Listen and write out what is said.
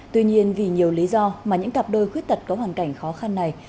tuy nhiên vì nhiều lý do mà những cặp đôi khuyết tật có hoàn cảnh khó khăn này